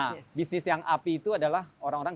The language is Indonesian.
nah bisnis yang api itu adalah orang orang